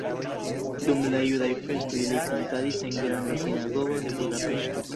Dum la judaj festoj li kantadis en Granda Sinagogo de Budapeŝto.